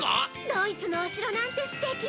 ドイツのお城なんて素敵ね！